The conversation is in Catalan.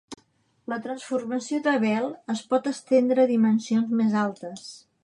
La transformació d'Abel es pot estendre a dimensions més altes.